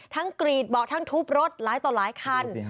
ทั้งกรีดบอกทั้งทุบรถร้ายต่อร้ายคัน